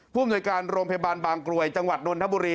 อำนวยการโรงพยาบาลบางกรวยจังหวัดนนทบุรี